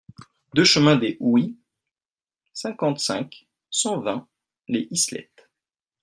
deux chemin des Houys, cinquante-cinq, cent vingt, Les Islettes